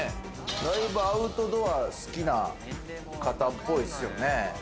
だいぶアウトドア好きな方っぽいっすよね。